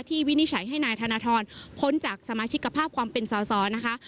วินิจฉัยให้นายธนทรพ้นจากสมาชิกภาพความเป็นสอสอนะคะ